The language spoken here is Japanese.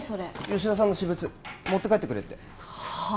吉田さんの私物持って帰ってくれってはあ！？